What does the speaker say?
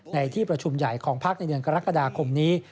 ในที่ประชุมใหญ่ของพักในเดือนกรกฎาคมนี้